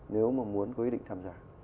nếu mà muốn có ý định tham gia